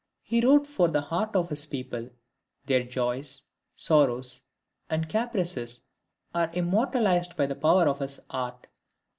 He wrote for the HEART OF HIS PEOPLE; their joys, sorrows, and caprices are immortalized by the power of his art.